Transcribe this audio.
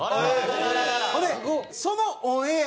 ほんでそのオンエアは